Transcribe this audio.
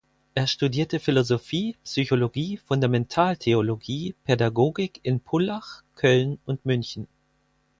Er studierte Philosophie, Psychologie, Fundamentaltheologie, Pädagogik in Pullach, Köln und München.